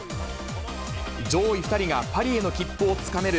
上位２人がパリへの切符をつかめる